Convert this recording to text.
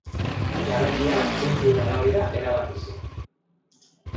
Garailea puntuen arabera erabaki zen.